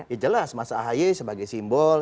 ya jelas mas ahaye sebagai simbol